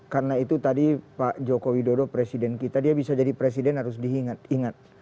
karena itu tadi pak joko widodo presiden kita dia bisa jadi presiden harus diingat